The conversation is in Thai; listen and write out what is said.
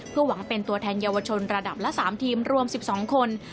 หวังเป็นตัวแทนเยาวชนระดับละ๓ทีมรวม๑๒คน